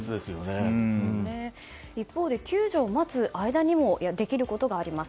一方で救助を待つ間にもできることがあります。